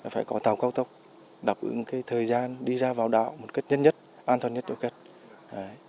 phải có tàu cao tốc đáp ứng thời gian đi ra vào đảo một cách nhanh nhất an toàn nhất cho khách